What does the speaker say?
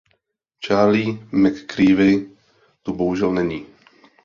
Charlie McCreevy tu bohužel není.